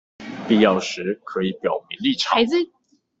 必要時可以表明立場